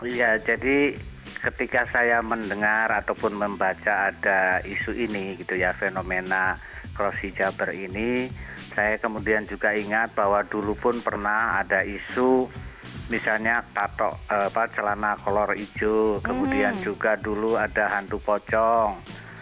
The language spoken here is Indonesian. iya jadi ketika saya mendengar ataupun membaca ada isu ini gitu ya fenomena cross hijaber ini saya kemudian juga ingat bahwa dulu pun pernah ada isu misalnya celana kolor hijau kemudian juga dulu ada hantu pocong